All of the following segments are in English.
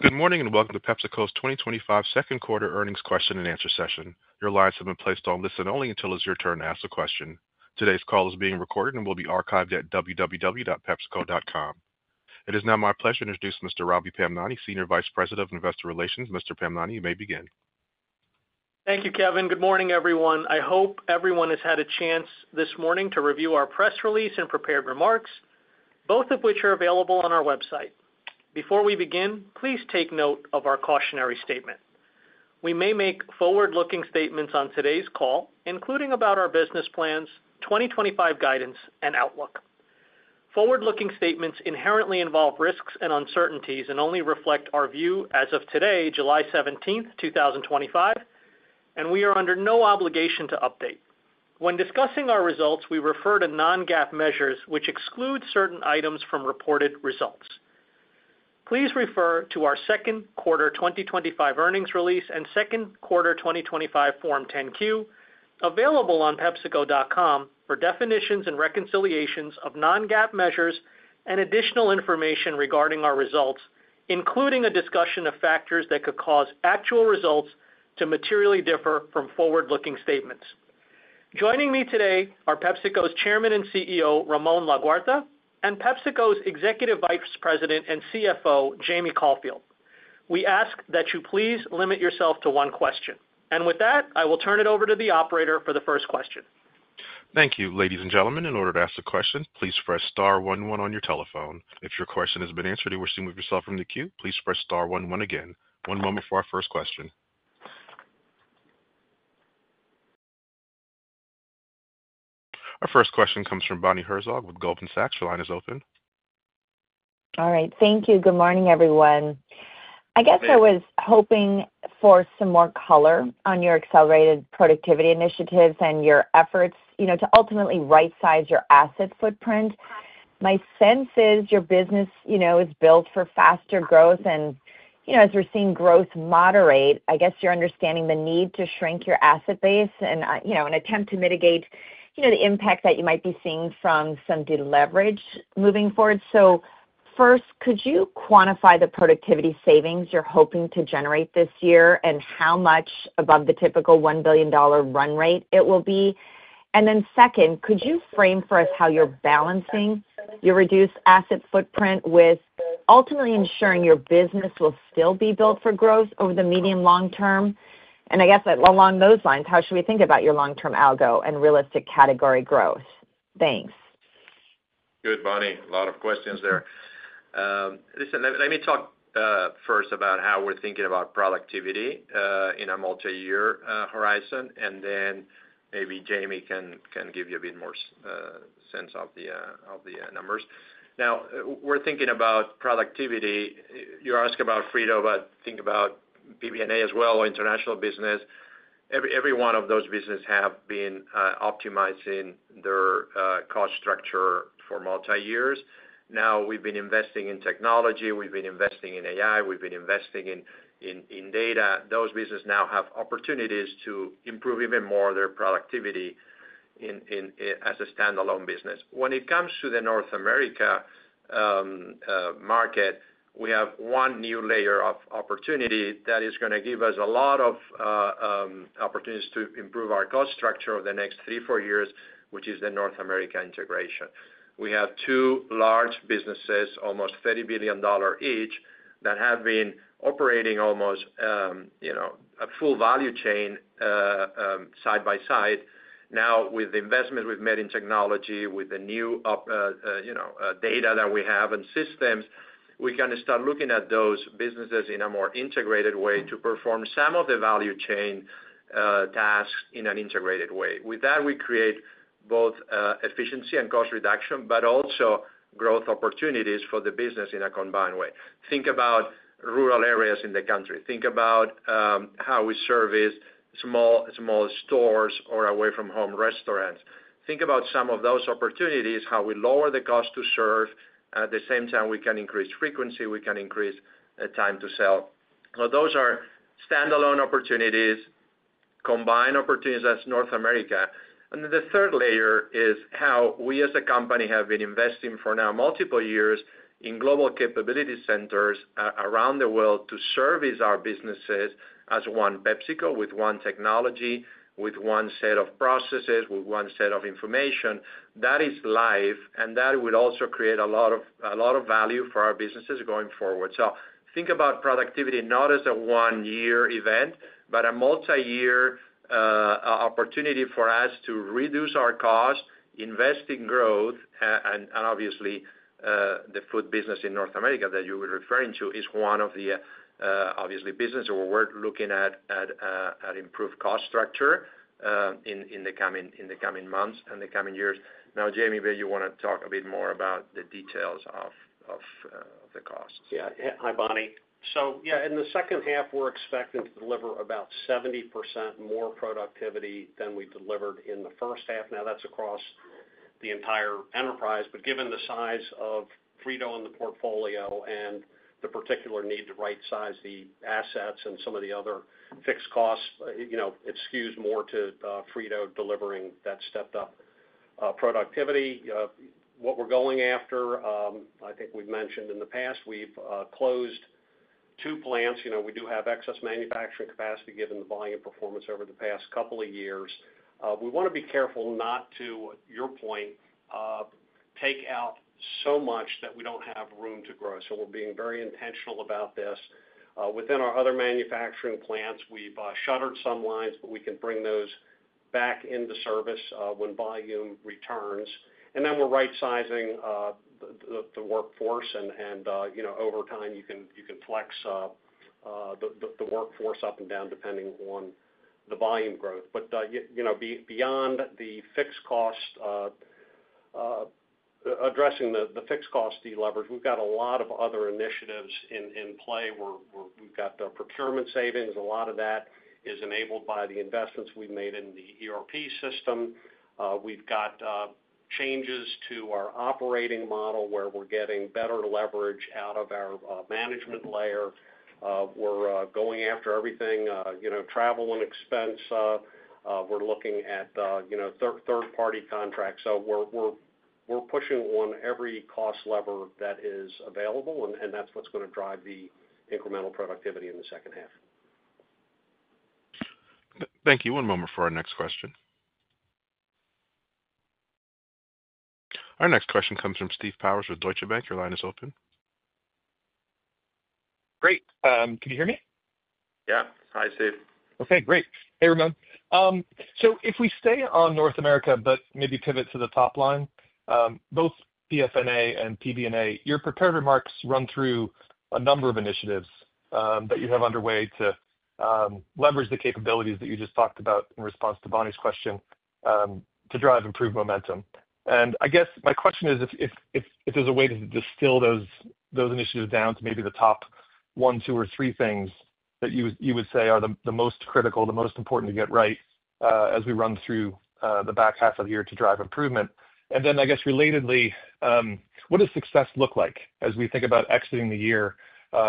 Good morning and welcome to PepsiCo's 2025 Second Quarter Earnings question-and-answer session. Your lines have been placed on listen only until it's your turn to ask a question. Today's call is being recorded and will be archived at www.pepsico.com. It is now my pleasure to introduce Mr. Ravi Pamnani, Senior Vice President of Investor Relations. Mr. Pamnani, you may begin. Thank you, Kevin. Good morning, everyone. I hope everyone has had a chance this morning to review our press release and prepared remarks, both of which are available on our website. Before we begin, please take note of our cautionary statement. We may make forward-looking statements on today's call, including about our business plans, 2025 guidance, and outlook. Forward-looking statements inherently involve risks and uncertainties and only reflect our view as of today, July 17, 2025, and we are under no obligation to update. When discussing our results, we refer to non-GAAP measures, which exclude certain items from reported results. Please refer to our second quarter 2025 earnings release and second quarter 2025 form 10-Q available on pepsico.com for definitions and reconciliations of non-GAAP measures and additional information regarding our results, including a discussion of factors that could cause actual results to materially differ from forward-looking statements. Joining me today are PepsiCo's Chairman and CEO, Ramon Laguarta, and PepsiCo's Executive Vice President and CFO, Jamie Caulfield. We ask that you please limit yourself to one question. With that, I will turn it over to the operator for the first question. Thank you, ladies and gentlemen. In order to ask a question, please press star one one on your telephone. If your question has been answered and you wish to move yourself from the queue, please press star one one again. One moment for our first question. Our first question comes from Bonnie Herzog with Goldman Sachs. Your line is open. All right. Thank you. Good morning, everyone. I guess I was hoping for some more color on your accelerated productivity initiatives and your efforts to ultimately right-size your asset footprint. My sense is your business is built for faster growth. As we're seeing growth moderate, I guess you're understanding the need to shrink your asset base and attempt to mitigate the impact that you might be seeing from some deleveraged moving forward. First, could you quantify the productivity savings you're hoping to generate this year and how much above the typical $1 billion run rate it will be? Second, could you frame for us how you're balancing your reduced asset footprint with ultimately ensuring your business will still be built for growth over the medium-long term? Along those lines, how should we think about your long-term algo and realistic category growth? Thanks. Good, Bonnie. A lot of questions there. Listen, let me talk first about how we're thinking about productivity in a multi-year horizon. Then maybe Jamie can give you a bit more sense of the numbers. Now, we're thinking about productivity. You ask about Frito, but think about PBNA as well, or international business. Every one of those businesses have been optimizing their cost structure for multi-years. Now, we've been investing in technology. We've been investing in AI. We've been investing in data. Those businesses now have opportunities to improve even more their productivity as a standalone business. When it comes to the North America market, we have one new layer of opportunity that is going to give us a lot of opportunities to improve our cost structure over the next three, four years, which is the North America integration. We have two large businesses, almost $30 billion each, that have been operating almost a full value chain side by side. Now, with the investment we've made in technology, with the new data that we have and systems, we can start looking at those businesses in a more integrated way to perform some of the value chain tasks in an integrated way. With that, we create both efficiency and cost reduction, but also growth opportunities for the business in a combined way. Think about rural areas in the country. Think about how we service small stores or away-from-home restaurants. Think about some of those opportunities, how we lower the cost to serve. At the same time, we can increase frequency. We can increase time to sell. Those are standalone opportunities, combined opportunities as North America. The third layer is how we as a company have been investing for now multiple years in global capability centers around the world to service our businesses as one PepsiCo with one technology, with one set of processes, with one set of information. That is live, and that would also create a lot of value for our businesses going forward. Think about productivity not as a one-year event, but a multi-year opportunity for us to reduce our cost, invest in growth. Obviously, the food business in North America that you were referring to is one of the obviously businesses where we're looking at improved cost structure in the coming months and the coming years. Now, Jamie, maybe you want to talk a bit more about the details of the costs. Yeah. Hi, Bonnie. Yeah, in the second half, we're expecting to deliver about 70% more productivity than we delivered in the first half. Now, that's across the entire enterprise. Given the size of Frito in the portfolio and the particular need to right-size the assets and some of the other fixed costs, it skews more to Frito delivering that stepped-up productivity. What we're going after, I think we've mentioned in the past, we've closed two plants. We do have excess manufacturing capacity given the volume performance over the past couple of years. We want to be careful not to, to your point, take out so much that we don't have room to grow. We're being very intentional about this. Within our other manufacturing plants, we've shuttered some lines, but we can bring those back into service when volume returns. We're right-sizing the workforce. Over time, you can flex the workforce up and down depending on the volume growth. Beyond the fixed cost, addressing the fixed cost deleverage, we have got a lot of other initiatives in play. We have got the procurement savings. A lot of that is enabled by the investments we have made in the ERP system. We have got changes to our operating model where we are getting better leverage out of our management layer. We are going after everything: travel and expense. We are looking at third-party contracts. We are pushing on every cost lever that is available, and that is what is going to drive the incremental productivity in the second half. Thank you. One moment for our next question. Our next question comes from Steve Powers with Deutsche Bank. Your line is open. Great. Can you hear me? Yeah. Hi, Steve. Okay. Great. Hey, Ramon. If we stay on North America, but maybe pivot to the top line, both PFNA and PBNA, your prepared remarks run through a number of initiatives that you have underway to leverage the capabilities that you just talked about in response to Bonnie's question to drive improved momentum. I guess my question is, if there's a way to distill those initiatives down to maybe the top one, two, or three things that you would say are the most critical, the most important to get right as we run through the back half of the year to drive improvement. I guess relatedly, what does success look like as we think about exiting the year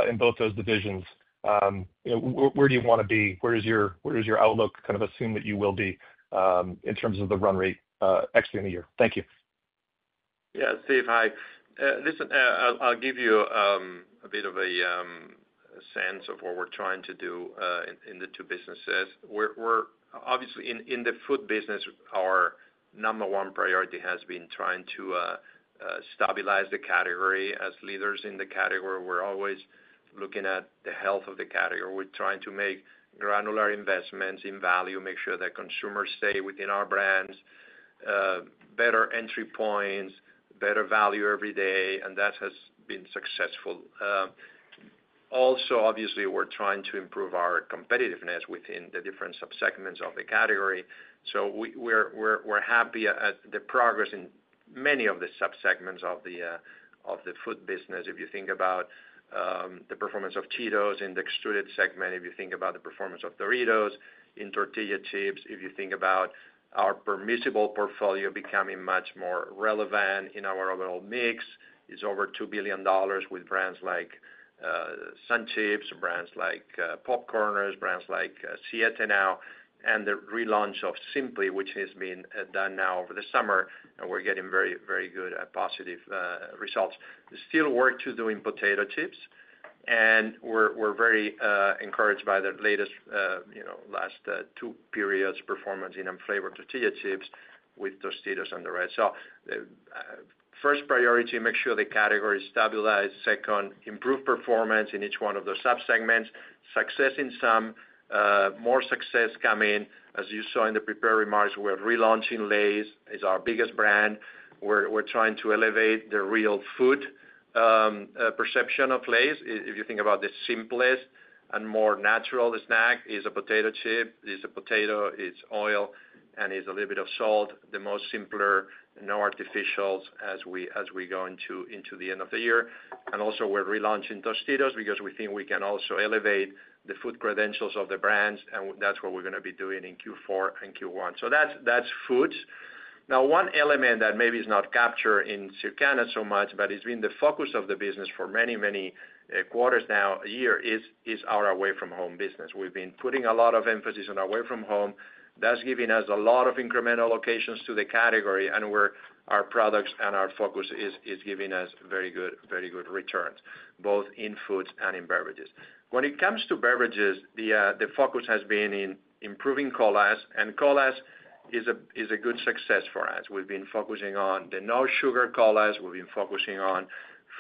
in both those divisions? Where do you want to be? Where does your outlook kind of assume that you will be in terms of the run rate exiting the year? Thank you. Yeah. Steve, hi. Listen, I'll give you a bit of a sense of what we're trying to do in the two businesses. Obviously, in the food business, our number one priority has been trying to stabilize the category as leaders in the category. We're always looking at the health of the category. We're trying to make granular investments in value, make sure that consumers stay within our brands, better entry points, better value every day. That has been successful. Also, obviously, we're trying to improve our competitiveness within the different subsegments of the category. We're happy at the progress in many of the subsegments of the food business. If you think about the performance of Cheetos in the extruded segment, if you think about the performance of Doritos in tortilla chips, if you think about our permissible portfolio becoming much more relevant in our overall mix, it's over $2 billion with brands like SunChips, brands like Popcorners, brands like Siete now, and the relaunch of Simply, which has been done now over the summer. We're getting very, very good positive results. There's still work to do in potato chips. We're very encouraged by the latest last two periods' performance in unflavored tortilla chips with Tostitos and the rest. First priority, make sure the category is stabilized. Second, improve performance in each one of the subsegments. Success in some, more success coming. As you saw in the prepared remarks, we're relaunching Lay's. It's our biggest brand. We're trying to elevate the real food perception of Lay's. If you think about the simplest and more natural snack, it's a potato chip. It's a potato. It's oil. And it's a little bit of salt, the most simple, no artificials as we go into the end of the year. Also, we're relaunching Tostitos because we think we can also elevate the food credentials of the brands. That's what we're going to be doing in Q4 and Q1. That's foods. Now, one element that maybe is not captured in Circana so much, but it's been the focus of the business for many, many quarters, now a year, is our away-from-home business. We've been putting a lot of emphasis on away-from-home. That's giving us a lot of incremental locations to the category. Our products and our focus is giving us very good returns, both in foods and in beverages. When it comes to beverages, the focus has been in improving colas. Colas is a good success for us. We've been focusing on the no-sugar colas. We've been focusing on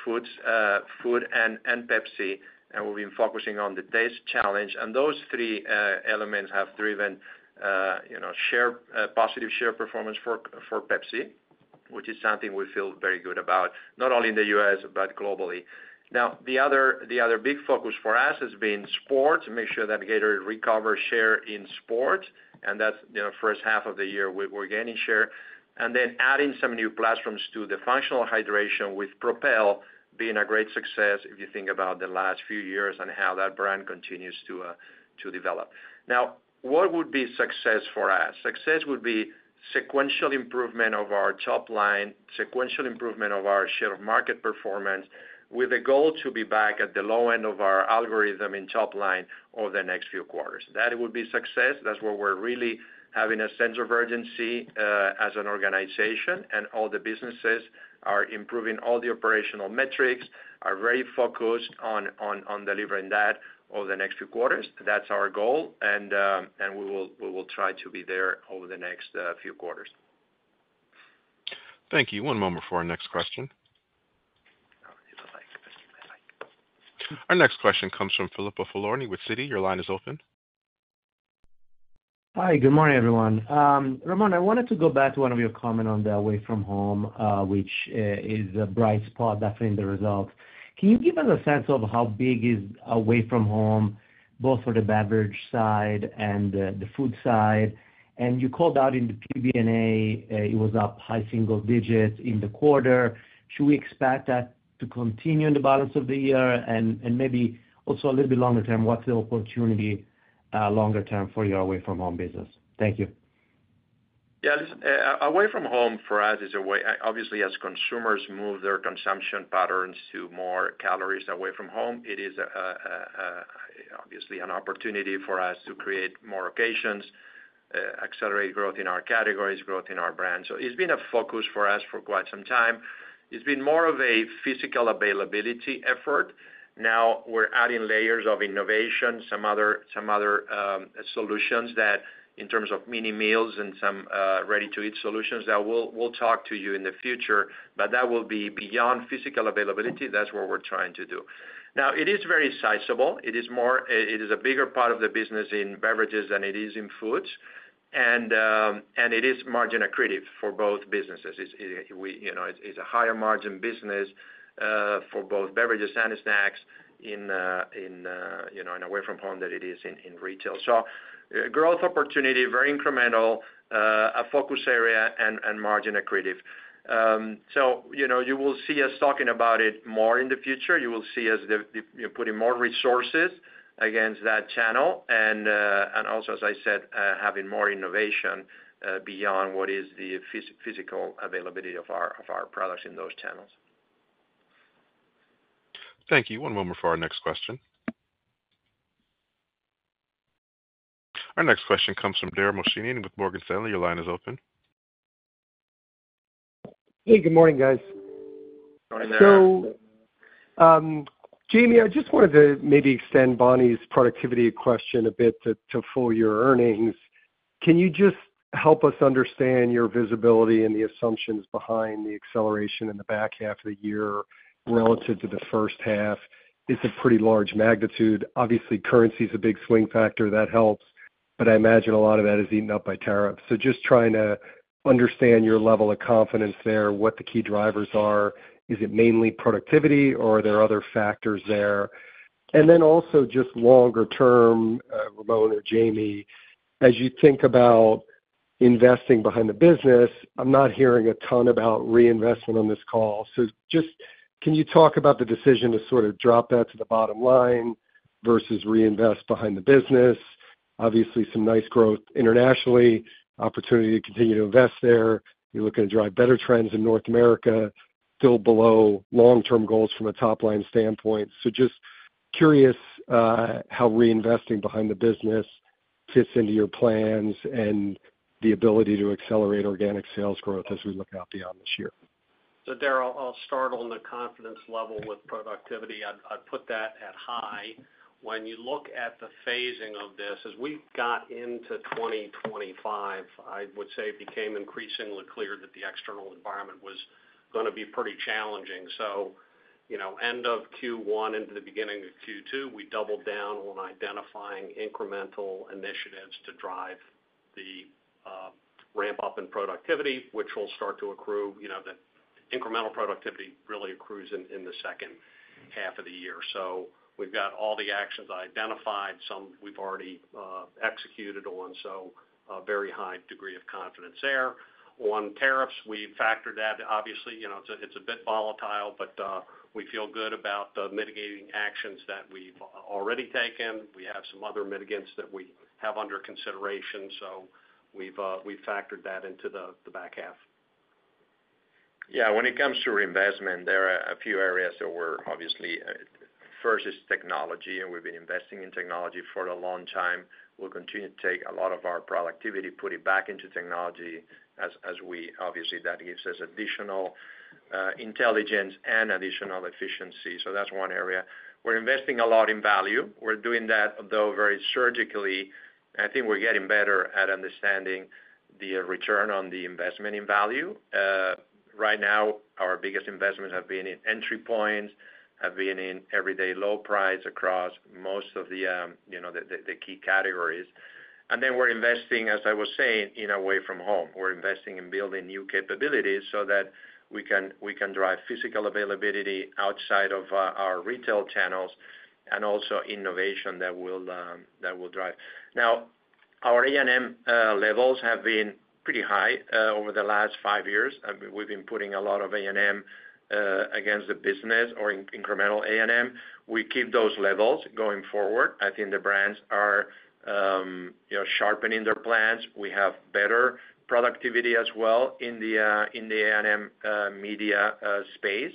food and Pepsi. We've been focusing on the taste challenge. Those three elements have driven positive share performance for Pepsi, which is something we feel very good about, not only in the U.S., but globally. The other big focus for us has been sports, making sure that Gatorade recovers share in sports. The first half of the year we're gaining share. Adding some new platforms to the functional hydration with Propel being a great success if you think about the last few years and how that brand continues to develop. Now, what would be success for us? Success would be sequential improvement of our top line, sequential improvement of our share of market performance with the goal to be back at the low end of our algorithm in top line over the next few quarters. That would be success. That is where we are really having a sense of urgency as an organization. All the businesses are improving all the operational metrics, are very focused on delivering that over the next few quarters. That is our goal. We will try to be there over the next few quarters. Thank you. One moment for our next question. Our next question comes from Filippo Falorni with Citi. Your line is open. Hi. Good morning, everyone. Ramon, I wanted to go back to one of your comments on the away-from-home, which is a bright spot, definitely in the results. Can you give us a sense of how big is away-from-home, both for the beverage side and the food side? You called out in the PBNA, it was up high single digits in the quarter. Should we expect that to continue in the balance of the year? Maybe also a little bit longer term, what's the opportunity longer term for your away-from-home business? Thank you. Yeah. Listen, away-from-home for us is a way, obviously, as consumers move their consumption patterns to more calories away from home, it is obviously an opportunity for us to create more occasions, accelerate growth in our categories, growth in our brands. It has been a focus for us for quite some time. It has been more of a physical availability effort. Now, we are adding layers of innovation, some other solutions that in terms of mini meals and some ready-to-eat solutions that we will talk to you in the future. That will be beyond physical availability. That is what we are trying to do. Now, it is very sizable. It is a bigger part of the business in beverages than it is in foods. It is margin accredited for both businesses. It is a higher margin business for both beverages and snacks in away-from-home than it is in retail. Growth opportunity, very incremental, a focus area, and margin accretive. You will see us talking about it more in the future. You will see us putting more resources against that channel. Also, as I said, having more innovation beyond what is the physical availability of our products in those channels. Thank you. One moment for our next question. Our next question comes from Dara Mohsenian with Morgan Stanley. Your line is open. Hey. Good morning, guys. Morning, Dara. Jamie, I just wanted to maybe extend Bonnie's productivity question a bit to full year earnings. Can you just help us understand your visibility and the assumptions behind the acceleration in the back half of the year relative to the first half? It's a pretty large magnitude. Obviously, currency is a big swing factor. That helps. I imagine a lot of that is eaten up by tariffs. Just trying to understand your level of confidence there, what the key drivers are. Is it mainly productivity, or are there other factors there? Also, just longer term, Ramon or Jamie, as you think about investing behind the business, I'm not hearing a ton about reinvestment on this call. Can you talk about the decision to sort of drop that to the bottom line versus reinvest behind the business? Obviously, some nice growth internationally, opportunity to continue to invest there. You're looking to drive better trends in North America, still below long-term goals from a top-line standpoint. Just curious how reinvesting behind the business fits into your plans and the ability to accelerate organic sales growth as we look out beyond this year. Darrel, I'll start on the confidence level with productivity. I'd put that at high. When you look at the phasing of this, as we've got into 2025, I would say it became increasingly clear that the external environment was going to be pretty challenging. End of Q1 into the beginning of Q2, we doubled down on identifying incremental initiatives to drive the ramp-up in productivity, which will start to accrue. The incremental productivity really accrues in the second half of the year. We've got all the actions identified, some we've already executed on. Very high degree of confidence there. On tariffs, we've factored that. Obviously, it's a bit volatile, but we feel good about mitigating actions that we've already taken. We have some other mitigants that we have under consideration. We've factored that into the back half. Yeah. When it comes to reinvestment, there are a few areas that we're obviously, first is technology. And we've been investing in technology for a long time. We'll continue to take a lot of our productivity, put it back into technology, as we obviously, that gives us additional intelligence and additional efficiency. That is one area. We're investing a lot in value. We're doing that, though, very surgically. I think we're getting better at understanding the return on the investment in value. Right now, our biggest investments have been in entry points, have been in everyday low price across most of the key categories. Then we're investing, as I was saying, in away-from-home. We're investing in building new capabilities so that we can drive physical availability outside of our retail channels and also innovation that will drive. Now, our A&M levels have been pretty high over the last five years. We've been putting a lot of A&M against the business or incremental A&M. We keep those levels going forward. I think the brands are sharpening their plans. We have better productivity as well in the A&M media space.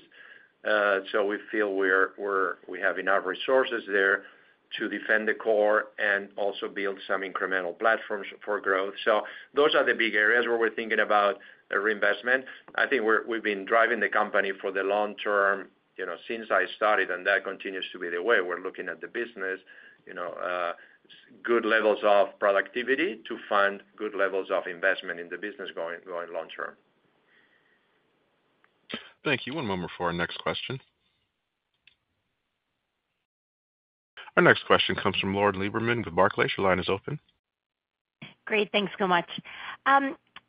We feel we have enough resources there to defend the core and also build some incremental platforms for growth. Those are the big areas where we're thinking about reinvestment. I think we've been driving the company for the long term since I started, and that continues to be the way. We're looking at the business, good levels of productivity to fund good levels of investment in the business going long term. Thank you. One moment for our next question. Our next question comes from Lauren Lieberman with Barclays. Your line is open. Great. Thanks so much.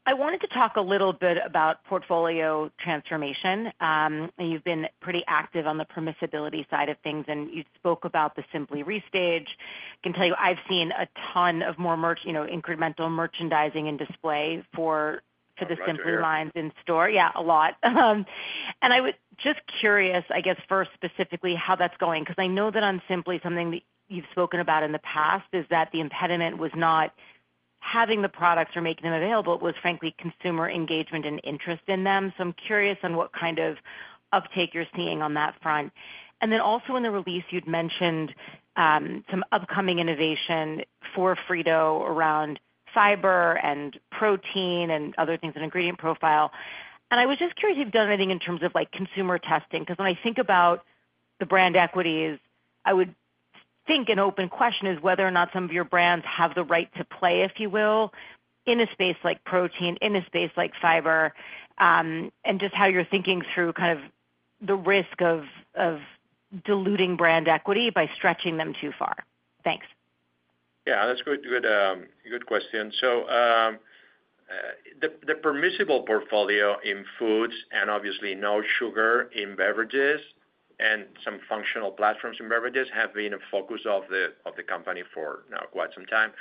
I wanted to talk a little bit about portfolio transformation. You've been pretty active on the permissibility side of things. You spoke about the Simply restage. I can tell you I've seen a ton of more incremental merchandising and display for the Simply lines in store. Yeah, a lot. I was just curious, I guess, first specifically how that's going. Because I know that on Simply, something that you've spoken about in the past is that the impediment was not having the products or making them available. It was, frankly, consumer engagement and interest in them. I'm curious on what kind of uptake you're seeing on that front. Also, in the release, you'd mentioned some upcoming innovation for Frito around fiber and protein and other things and ingredient profile. I was just curious if you've done anything in terms of consumer testing. Because when I think about the brand equities, I would think an open question is whether or not some of your brands have the right to play, if you will, in a space like protein, in a space like fiber, and just how you're thinking through kind of the risk of diluting brand equity by stretching them too far. Thanks. Yeah. That's a good question. The permissible portfolio in foods and obviously no sugar in beverages and some functional platforms in beverages have been a focus of the company for now quite some time.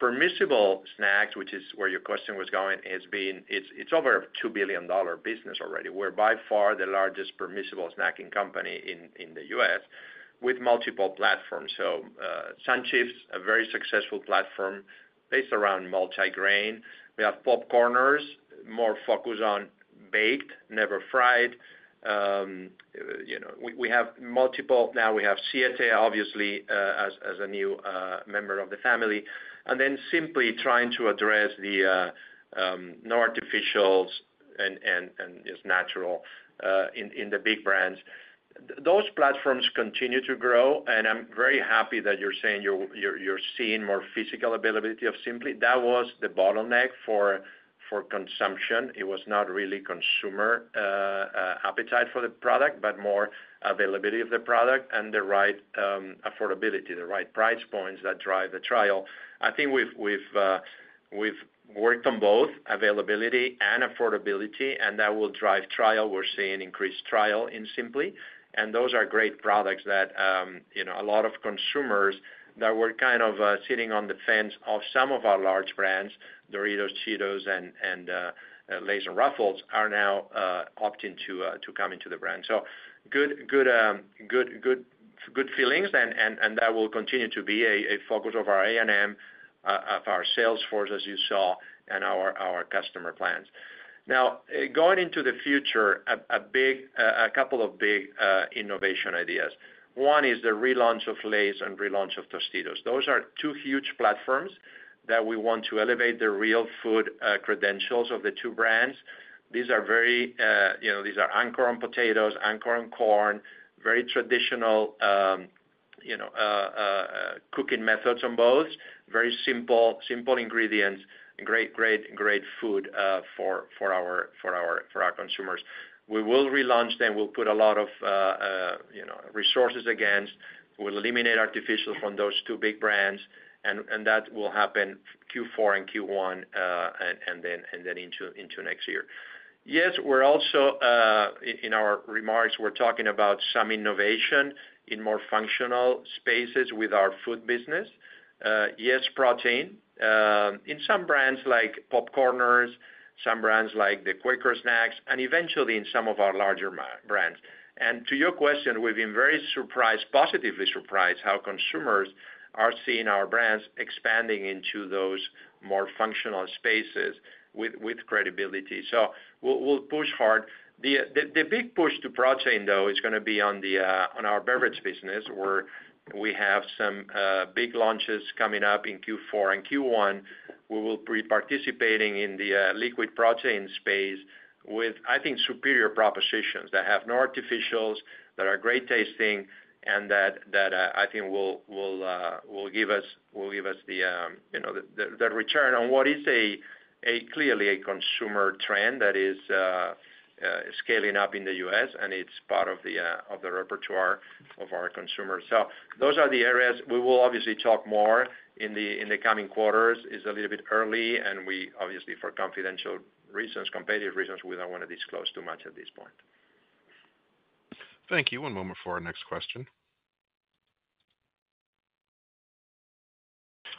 Permissible snacks, which is where your question was going, it's over a $2 billion business already. We're by far the largest permissible snacking company in the US with multiple platforms. SunChips, a very successful platform based around multigrain. We have Popcorners, more focus on baked, never fried. We have multiple now. We have Siete, obviously, as a new member of the family. Simply trying to address the no artificials and just natural in the big brands. Those platforms continue to grow. I'm very happy that you're saying you're seeing more physical availability of Simply. That was the bottleneck for consumption. It was not really consumer appetite for the product, but more availability of the product and the right affordability, the right price points that drive the trial. I think we've worked on both availability and affordability. That will drive trial. We're seeing increased trial in Simply. Those are great products that a lot of consumers that were kind of sitting on the fence of some of our large brands, Doritos, Cheetos, and Lay's and Ruffles, are now opting to come into the brand. Good feelings. That will continue to be a focus of our A&M, of our sales force, as you saw, and our customer plans. Now, going into the future, a couple of big innovation ideas. One is the relaunch of Lay's and relaunch of Tostitos. Those are two huge platforms that we want to elevate the real food credentials of the two brands. These are Anchor on Potatoes, Anchor on Corn, very traditional cooking methods on both, very simple ingredients, great food for our consumers. We will relaunch them. We'll put a lot of resources against. We'll eliminate artificial from those two big brands. That will happen Q4 and Q1 and then into next year. Yes, we're also in our remarks, we're talking about some innovation in more functional spaces with our food business. Yes, protein in some brands like Popcorners, some brands like the Quaker Snacks, and eventually in some of our larger brands. To your question, we've been very surprised, positively surprised, how consumers are seeing our brands expanding into those more functional spaces with credibility. We'll push hard. The big push to protein, though, is going to be on our beverage business, where we have some big launches coming up in Q4 and Q1. We will be participating in the liquid protein space with, I think, superior propositions that have no artificials, that are great tasting, and that I think will give us the return on what is clearly a consumer trend that is scaling up in the U.S., and it is part of the repertoire of our consumers. Those are the areas. We will obviously talk more in the coming quarters. It is a little bit early. We, obviously, for confidential reasons, competitive reasons, we do not want to disclose too much at this point. Thank you. One moment for our next question.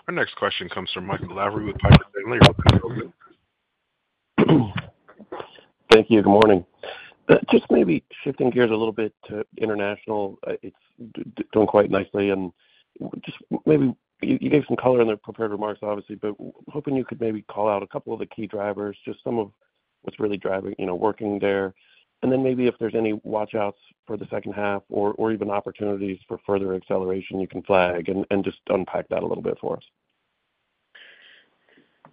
Our next question comes from Michael Lavery with Morgan Stanley. Thank you. Good morning. Just maybe shifting gears a little bit to international, it has done quite nicely. Just maybe you gave some color in the prepared remarks, obviously, but hoping you could maybe call out a couple of the key drivers, just some of what is really working there. If there are any watch-outs for the second half or even opportunities for further acceleration, you can flag and just unpack that a little bit for us.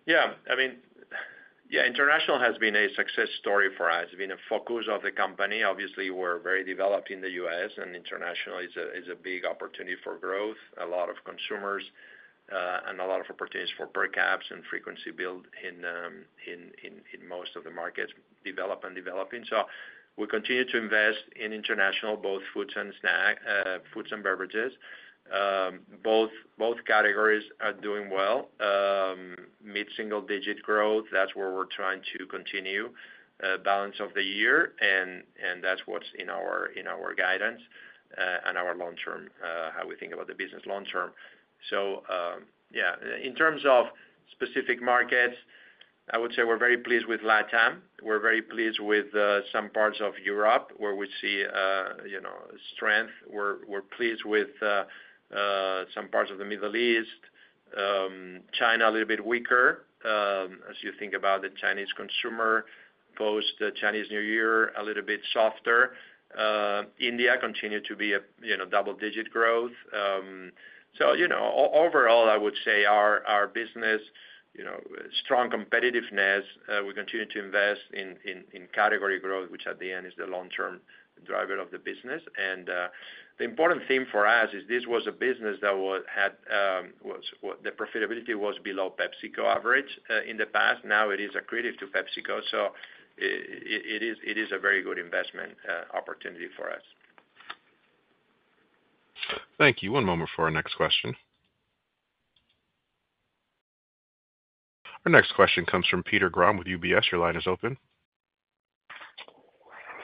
Yeah. I mean, yeah, international has been a success story for us. It's been a focus of the company. Obviously, we're very developed in the U.S., and international is a big opportunity for growth, a lot of consumers, and a lot of opportunities for per caps and frequency build in most of the markets, developed and developing. We continue to invest in international, both foods and beverages. Both categories are doing well, mid-single-digit growth. That is where we're trying to continue balance of the year. That is what's in our guidance and our long-term, how we think about the business long-term. Yeah, in terms of specific markets, I would say we're very pleased with Latin America. We're very pleased with some parts of Europe where we see strength. We're pleased with some parts of the Middle East. China, a little bit weaker. As you think about the Chinese consumer post-Chinese New Year, a little bit softer. India continues to be a double-digit growth. Overall, I would say our business, strong competitiveness. We continue to invest in category growth, which at the end is the long-term driver of the business. The important thing for us is this was a business that had the profitability was below PepsiCo average in the past. Now it is accredited to PepsiCo. It is a very good investment opportunity for us. Thank you. One moment for our next question. Our next question comes from Peter Grom with UBS. Your line is open.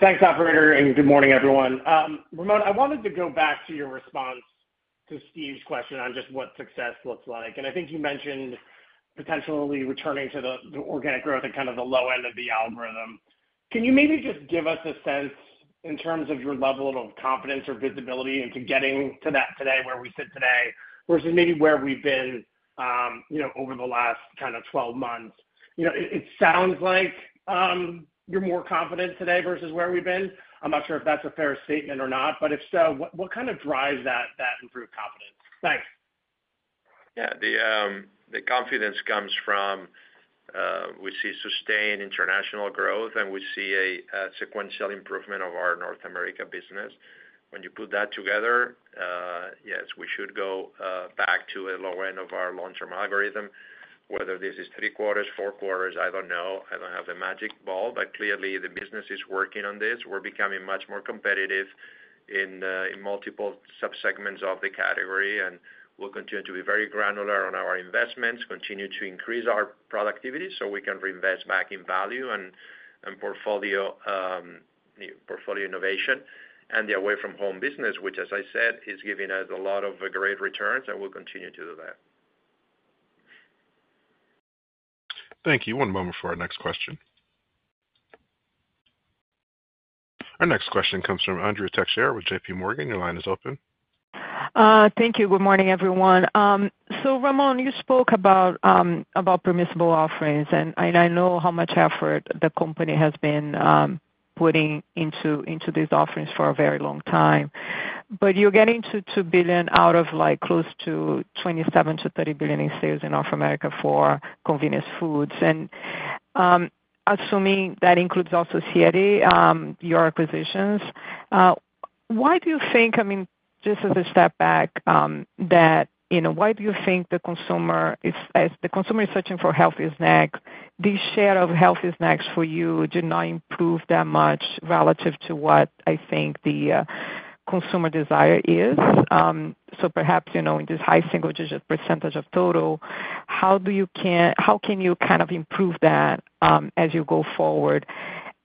Thanks, operator. Good morning, everyone. Ramon, I wanted to go back to your response to Steve's question on just what success looks like. I think you mentioned potentially returning to the organic growth at kind of the low end of the algorithm. Can you maybe just give us a sense in terms of your level of confidence or visibility into getting to that today where we sit today versus maybe where we've been over the last kind of 12 months? It sounds like you're more confident today versus where we've been. I'm not sure if that's a fair statement or not. If so, what kind of drives that improved confidence? Thanks. Yeah. The confidence comes from we see sustained international growth, and we see a sequential improvement of our North America business. When you put that together, yes, we should go back to the low end of our long-term algorithm, whether this is three quarters, four quarters, I do not know. I do not have a magic ball. Clearly, the business is working on this. We are becoming much more competitive in multiple subsegments of the category. We will continue to be very granular on our investments, continue to increase our productivity so we can reinvest back in value and portfolio innovation and the away-from-home business, which, as I said, is giving us a lot of great returns. We will continue to do that. Thank you. One moment for our next question. Our next question comes from Andrea Teixeira with JPMorgan. Your line is open. Thank you. Good morning, everyone. Ramon, you spoke about permissible offerings. I know how much effort the company has been putting into these offerings for a very long time. You are getting to $2 billion out of close to $27 billion-$30 billion in sales in North America for convenience foods. Assuming that includes also Siete, your acquisitions, why do you think, I mean, just as a step back, why do you think the consumer is searching for healthy snacks? This share of healthy snacks for you did not improve that much relative to what I think the consumer desire is. Perhaps in this high single-digit % of total, how can you kind of improve that as you go forward?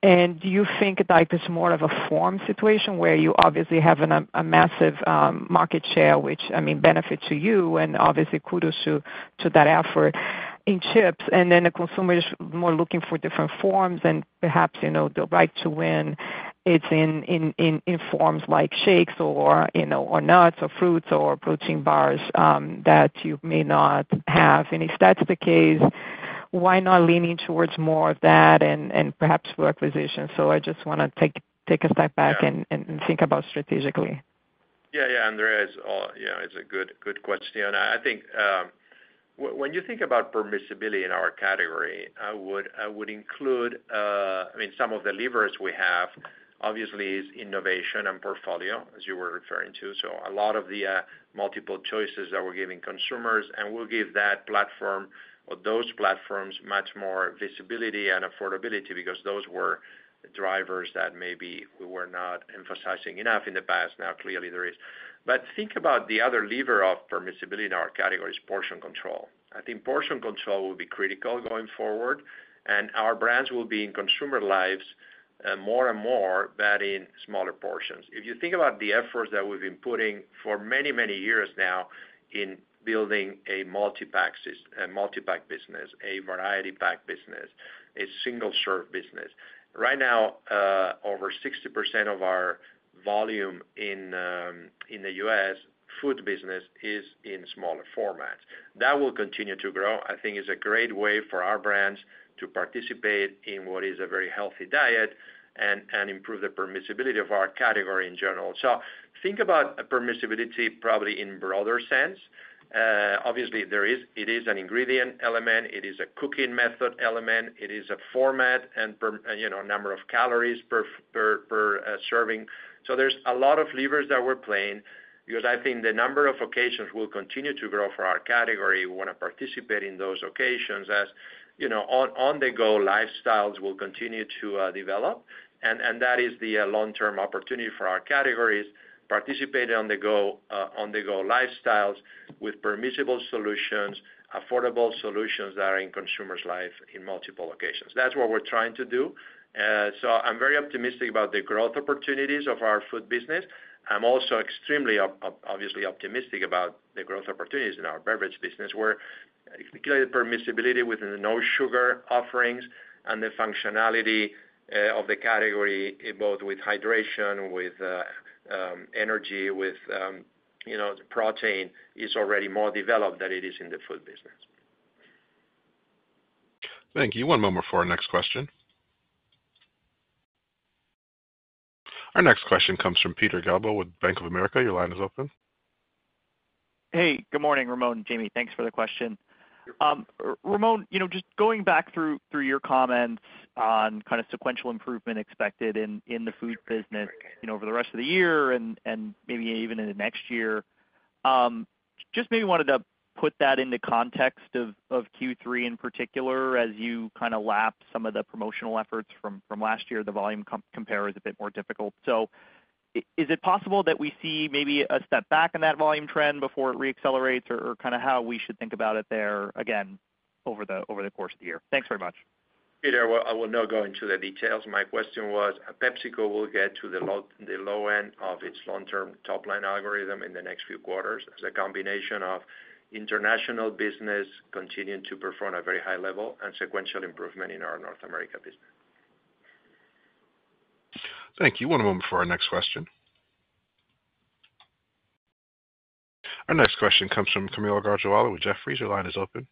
Do you think that it's more of a form situation where you obviously have a massive market share, which, I mean, benefits you and obviously kudos to that effort in chips? I mean, the consumer is more looking for different forms. Perhaps the right to win is in forms like shakes or nuts or fruits or protein bars that you may not have. If that's the case, why not leaning towards more of that and perhaps requisitions? I just want to take a step back and think about strategically. Yeah. Yeah, Andrea, it's a good question. I think when you think about permissibility in our category, I would include, I mean, some of the levers we have, obviously, is innovation and portfolio, as you were referring to. A lot of the multiple choices that we're giving consumers. We'll give that platform or those platforms much more visibility and affordability because those were drivers that maybe we were not emphasizing enough in the past. Now, clearly, there is. Think about the other lever of permissibility in our category is portion control. I think portion control will be critical going forward. Our brands will be in consumer lives more and more, but in smaller portions. If you think about the efforts that we've been putting for many, many years now in building a multi-pack business, a variety pack business, a single-serve business, right now, over 60% of our volume in the US food business is in smaller formats. That will continue to grow. I think it's a great way for our brands to participate in what is a very healthy diet and improve the permissibility of our category in general. Think about permissibility probably in a broader sense. Obviously, it is an ingredient element. It is a cooking method element. It is a format and number of calories per serving. There are a lot of levers that we're playing because I think the number of occasions will continue to grow for our category. We want to participate in those occasions as on-the-go lifestyles will continue to develop. That is the long-term opportunity for our categories: participate on-the-go lifestyles with permissible solutions, affordable solutions that are in consumers' lives in multiple occasions. That is what we are trying to do. I am very optimistic about the growth opportunities of our food business. I am also extremely, obviously, optimistic about the growth opportunities in our beverage business, where clearly permissibility with no sugar offerings and the functionality of the category, both with hydration, with energy, with protein, is already more developed than it is in the food business. Thank you. One moment for our next question. Our next question comes from Peter Galbo with Bank of America. Your line is open. Hey. Good morning, Ramon and Jamie. Thanks for the question. Ramon, just going back through your comments on kind of sequential improvement expected in the food business over the rest of the year and maybe even in the next year, just maybe wanted to put that into context of Q3 in particular as you kind of lapse some of the promotional efforts from last year. The volume compare is a bit more difficult. Is it possible that we see maybe a step back in that volume trend before it reaccelerates or kind of how we should think about it there again over the course of the year? Thanks very much. Peter, I will not go into the details. My question was, PepsiCo will get to the low end of its long-term top-line algorithm in the next few quarters as a combination of international business continuing to perform at a very high level and sequential improvement in our North America business. Thank you. One moment for our next question. Our next question comes from Kaumil Gajrawala with Jefferies. Your line is open.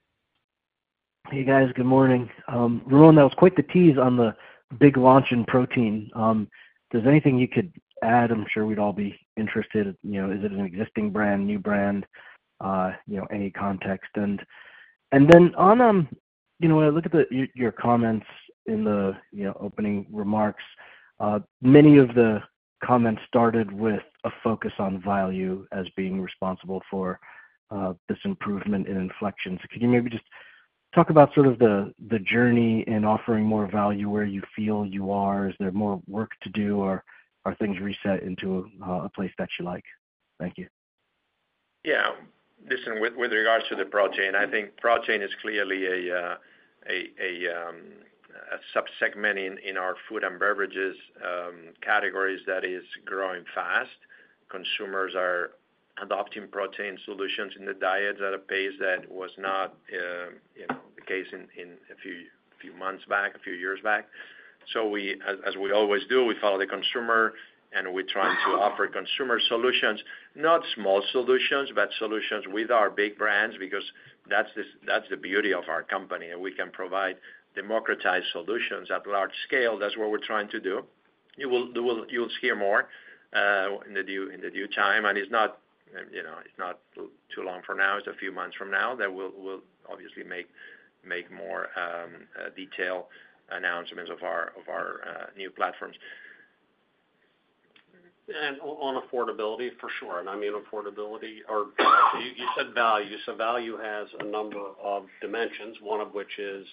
Hey, guys. Good morning. Ramon, that was quite the tease on the big launch in protein. If there's anything you could add, I'm sure we'd all be interested. Is it an existing brand, new brand, any context? When I look at your comments in the opening remarks, many of the comments started with a focus on value as being responsible for this improvement in inflection. Could you maybe just talk about sort of the journey in offering more value, where you feel you are? Is there more work to do, or are things reset into a place that you like? Thank you. Yeah. Listen, with regards to the protein, I think protein is clearly a subsegment in our food and beverages categories that is growing fast. Consumers are adopting protein solutions in the diets at a pace that was not the case a few months back, a few years back. As we always do, we follow the consumer, and we're trying to offer consumer solutions, not small solutions, but solutions with our big brands because that's the beauty of our company. We can provide democratized solutions at large scale. That's what we're trying to do. You will hear more in due time. It's not too long from now. It's a few months from now that we'll obviously make more detailed announcements of our new platforms. On affordability, for sure. I mean affordability or you said value. Value has a number of dimensions, one of which is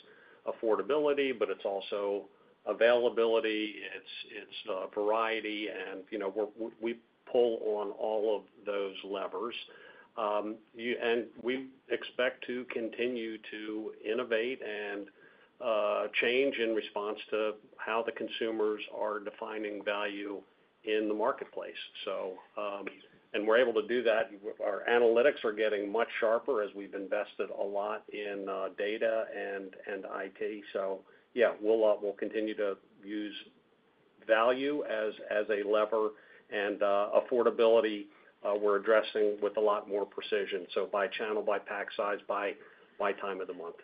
affordability, but it is also availability. It is variety. We pull on all of those levers. We expect to continue to innovate and change in response to how the consumers are defining value in the marketplace. We are able to do that. Our analytics are getting much sharper as we have invested a lot in data and IT. Yeah, we will continue to use value as a lever. Affordability, we are addressing with a lot more precision, by channel, by pack size, by time of the month.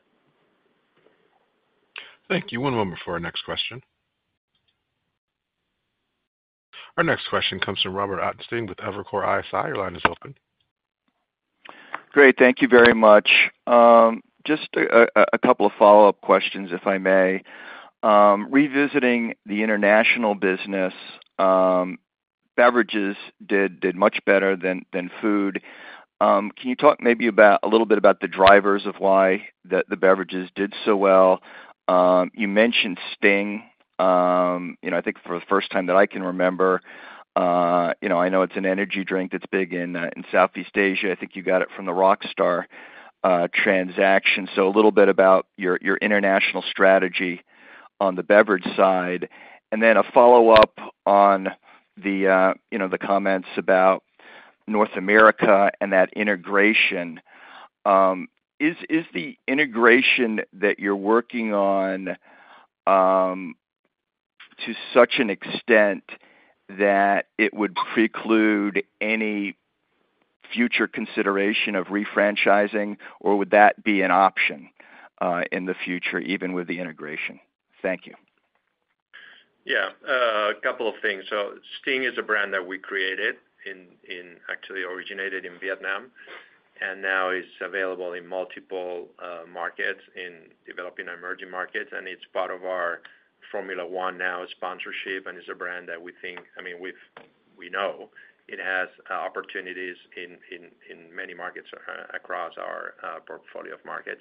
Thank you. One moment for our next question. Our next question comes from Robert Ottenstein with Evercore ISI. Your line is open. Great. Thank you very much. Just a couple of follow-up questions, if I may. Revisiting the international business, beverages did much better than food. Can you talk maybe a little bit about the drivers of why the beverages did so well? You mentioned Sting. I think for the first time that I can remember, I know it's an energy drink that's big in Southeast Asia. I think you got it from the Rockstar transaction. A little bit about your international strategy on the beverage side. A follow-up on the comments about North America and that integration. Is the integration that you're working on to such an extent that it would preclude any future consideration of refranchising, or would that be an option in the future, even with the integration? Thank you. Yeah. A couple of things. Sting is a brand that we created in, actually originated in Vietnam and now is available in multiple markets, in developing and emerging markets. It is part of our Formula One now sponsorship. It is a brand that we think, I mean, we know it has opportunities in many markets across our portfolio of markets.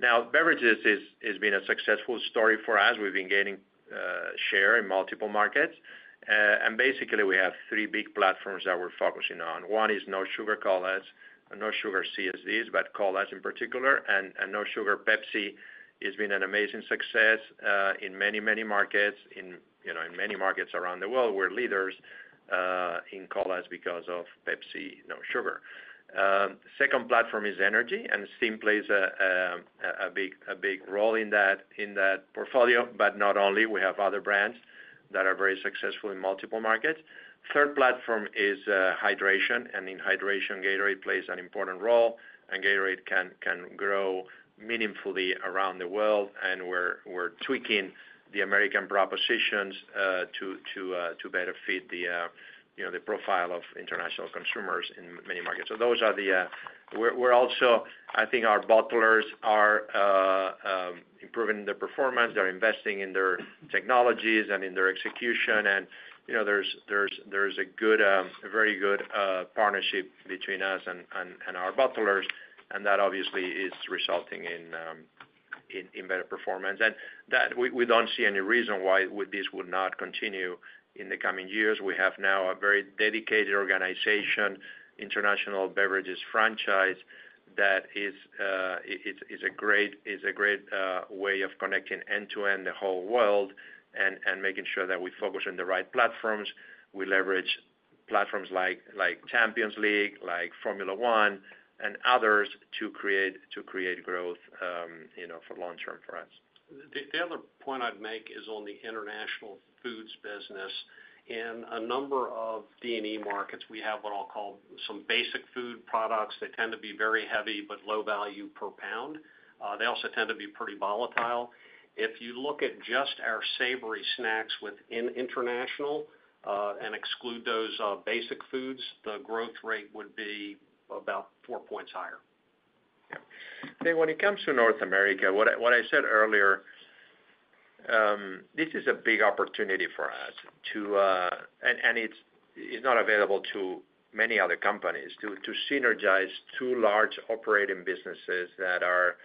Now, beverages has been a successful story for us. We have been gaining share in multiple markets. Basically, we have three big platforms that we are focusing on. One is No Sugar Colas, No Sugar CSDs, but Colas in particular. No Sugar Pepsi has been an amazing success in many, many markets, in many markets around the world. We are leaders in Colas because of Pepsi No Sugar. The second platform is energy, and Sting plays a big role in that portfolio, but not only. We have other brands that are very successful in multiple markets. The third platform is hydration. In hydration, Gatorade plays an important role. Gatorade can grow meaningfully around the world. We are tweaking the American propositions to better fit the profile of international consumers in many markets. Those are the areas where also, I think, our bottlers are improving their performance. They are investing in their technologies and in their execution. There is a very good partnership between us and our bottlers. That obviously is resulting in better performance. We do not see any reason why this would not continue in the coming years. We have now a very dedicated organization, international beverages franchise, that is a great way of connecting end-to-end the whole world and making sure that we focus on the right platforms. We leverage platforms like Champions League, like Formula One, and others to create growth for long-term for us. The other point I'd make is on the international foods business. In a number of D&E markets, we have what I'll call some basic food products. They tend to be very heavy but low value per pound. They also tend to be pretty volatile. If you look at just our savory snacks within international and exclude those basic foods, the growth rate would be about four points higher. Yeah. When it comes to North America, what I said earlier, this is a big opportunity for us. It is not available to many other companies to synergize two large operating businesses that are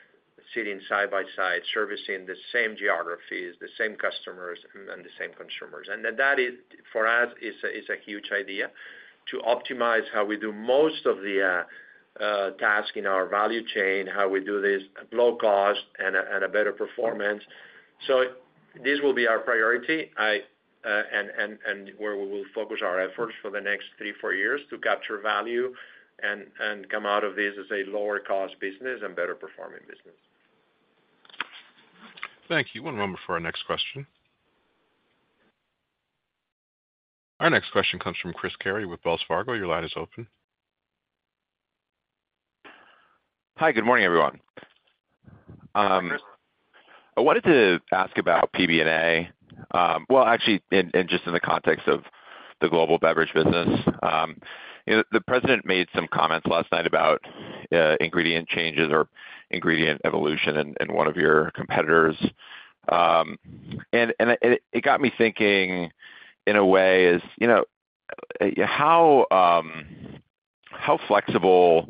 sitting side by side, servicing the same geographies, the same customers, and the same consumers. That for us is a huge idea to optimize how we do most of the tasks in our value chain, how we do this at low cost and a better performance. This will be our priority and where we will focus our efforts for the next three, four years to capture value and come out of this as a lower-cost business and better-performing business. Thank you. One moment for our next question. Our next question comes from Chris Carey with Wells Fargo. Your line is open. Hi. Good morning, everyone. I wanted to ask about PBNA. Actually, just in the context of the global beverage business. The President made some comments last night about ingredient changes or ingredient evolution in one of your competitors. It got me thinking in a way as how flexible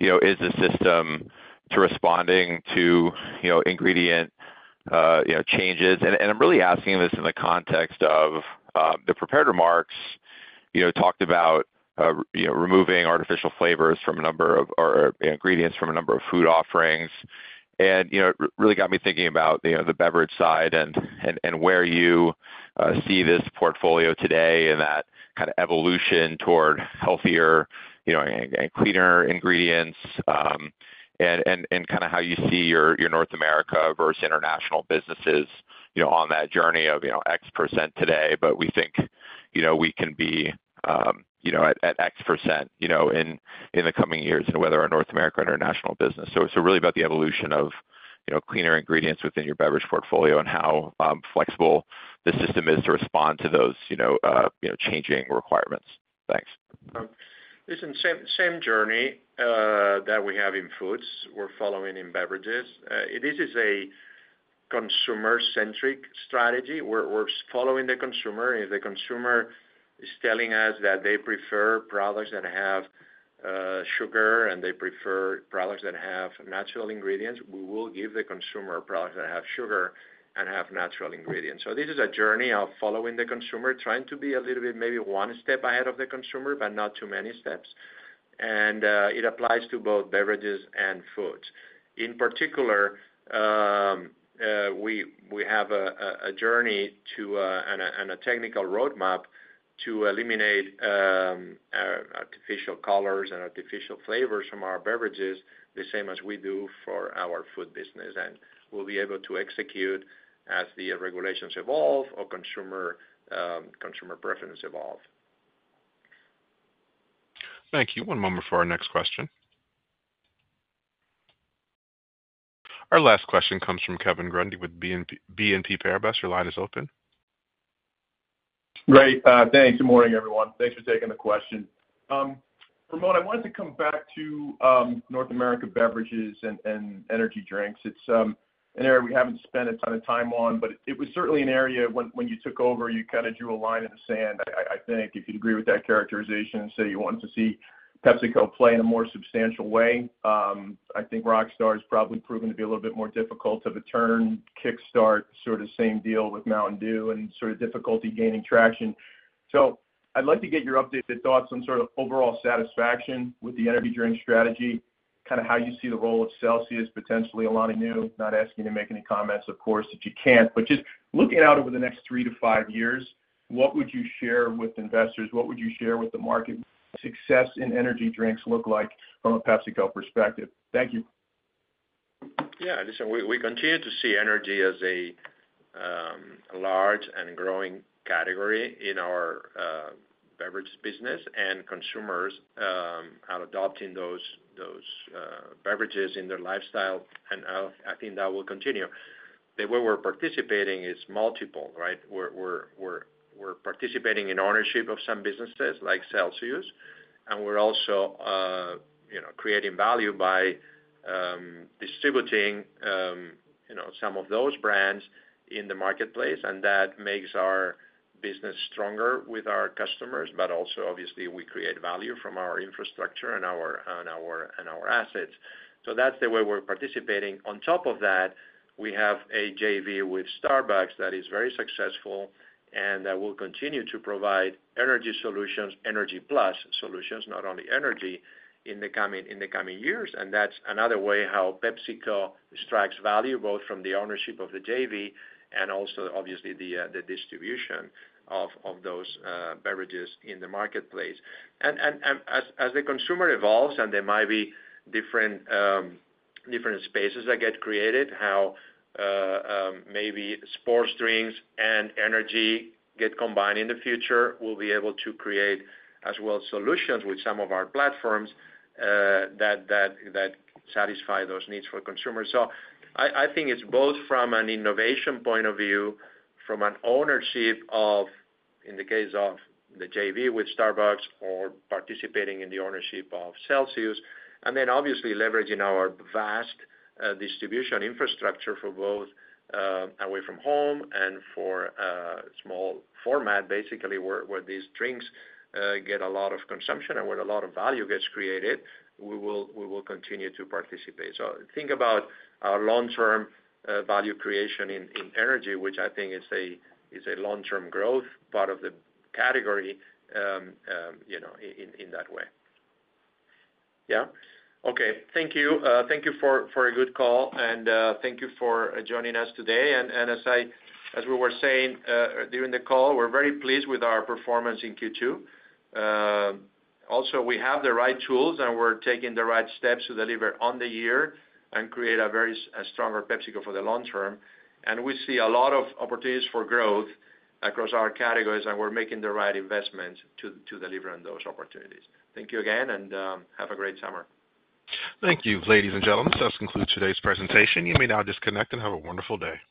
is the system to responding to ingredient changes? I'm really asking this in the context of the prepared remarks talked about removing artificial flavors from a number of or ingredients from a number of food offerings. It really got me thinking about the beverage side and where you see this portfolio today and that kind of evolution toward healthier and cleaner ingredients and kind of how you see your North America versus international businesses on that journey of X% today. We think we can be at X% in the coming years in whether our North America international business. So it's really about the evolution of cleaner ingredients within your beverage portfolio and how flexible the system is to respond to those changing requirements. Thanks. Listen, same journey that we have in foods we're following in beverages. This is a consumer-centric strategy. We're following the consumer. If the consumer is telling us that they prefer products that have sugar and they prefer products that have natural ingredients, we will give the consumer products that have sugar and have natural ingredients. This is a journey of following the consumer, trying to be a little bit maybe one step ahead of the consumer, but not too many steps. It applies to both beverages and foods. In particular, we have a journey and a technical roadmap to eliminate artificial colors and artificial flavors from our beverages the same as we do for our food business. We will be able to execute as the regulations evolve or consumer preferences evolve. Thank you. One moment for our next question. Our last question comes from Kevin Grundy with BNP Paribas. Your line is open. Great. Thanks. Good morning, everyone. Thanks for taking the question. Ramon, I wanted to come back to North America beverages and energy drinks. It's an area we haven't spent a ton of time on, but it was certainly an area when you took over, you kind of drew a line in the sand, I think, if you'd agree with that characterization, say you wanted to see PepsiCo play in a more substantial way. I think Rockstar has probably proven to be a little bit more difficult of a turn, Kickstart, sort of same deal with Mountain Dew, and sort of difficulty gaining traction. I’d like to get your updated thoughts on sort of overall satisfaction with the energy drink strategy, kind of how you see the role of Celsius, potentially Alani Nu, not asking you to make any comments, of course, that you can't. Just looking out over the next three to five years, what would you share with investors? What would you share with the market? Success in energy drinks look like from a PepsiCo perspective? Thank you. Yeah. Listen, we continue to see energy as a large and growing category in our beverage business, and consumers are adopting those beverages in their lifestyle. I think that will continue. The way we're participating is multiple, right? We're participating in ownership of some businesses like Celsius, and we're also creating value by distributing some of those brands in the marketplace. That makes our business stronger with our customers, but also, obviously, we create value from our infrastructure and our assets. That's the way we're participating. On top of that, we have a JV with Starbucks that is very successful and that will continue to provide energy solutions, energy-plus solutions, not only energy in the coming years. That's another way how PepsiCo extracts value, both from the ownership of the JV and also, obviously, the distribution of those beverages in the marketplace. As the consumer evolves and there might be different spaces that get created, how maybe sports drinks and energy get combined in the future, we will be able to create as well solutions with some of our platforms that satisfy those needs for consumers. I think it is both from an innovation point of view, from an ownership of, in the case of the JV with Starbucks, or participating in the ownership of Celsius, and then obviously leveraging our vast distribution infrastructure for both away-from-home and for small format, basically, where these drinks get a lot of consumption and where a lot of value gets created, we will continue to participate. Think about our long-term value creation in energy, which I think is a long-term growth part of the category in that way. Yeah. Okay. Thank you. Thank you for a good call, and thank you for joining us today. As we were saying during the call, we're very pleased with our performance in Q2. Also, we have the right tools, and we're taking the right steps to deliver on the year and create a very stronger PepsiCo for the long term. We see a lot of opportunities for growth across our categories, and we're making the right investments to deliver on those opportunities. Thank you again, and have a great summer. Thank you, ladies and gentlemen. That concludes today's presentation. You may now disconnect and have a wonderful day.